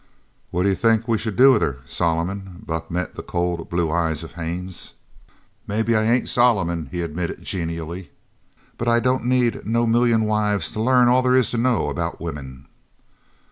"What do you think we should do with her, Solomon?" Buck met the cold blue eye of Haines. "Maybe I ain't Solomon," he admitted genially, "but I don't need no million wives to learn all there is to know about women."